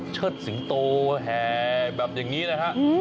เชิดสิงโตแห่แบบอย่างนี้นะฮะ